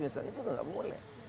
itu juga tidak boleh